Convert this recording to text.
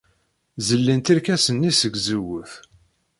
Zellint irkasen-nni seg tzewwut.